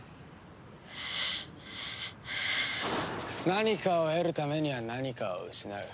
何かを得るためには何かを失う。